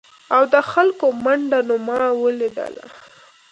او د خلکو منډه نو ما ولیدله ؟